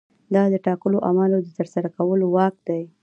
دا د ټاکلو اعمالو د ترسره کولو واک دی.